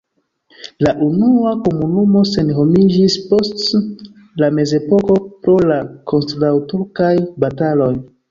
La unua komunumo senhomiĝis post la mezepoko pro la kontraŭturkaj bataloj.